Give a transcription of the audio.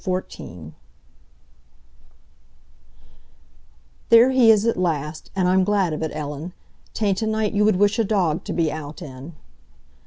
CHAPTER XIV. "There he is at last, and I'm glad of it, Ellen. 'Tain't a night you would wish a dog to be out in."